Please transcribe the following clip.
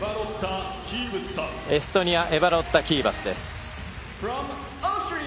エストニアエバロッタ・キーバス。